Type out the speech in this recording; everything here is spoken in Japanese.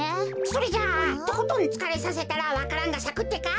それじゃあとことんつかれさせたらわか蘭がさくってか？